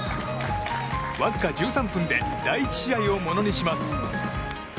わずか１３分で第１試合をものにします。